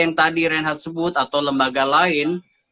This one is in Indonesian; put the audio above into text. yang tadi reinhard sebut atau lembaga lain